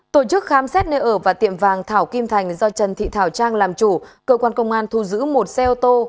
tổ chức khám xét nơi ở và tiệm vàng thảo kim thành do trần thị thảo trang làm chủ cơ quan công an thu giữ một xe ô tô